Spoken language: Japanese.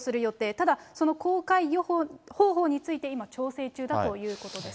ただその公開方法について今、調整中だということです。